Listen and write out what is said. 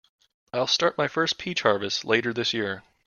I'll start my first peach harvest later this year.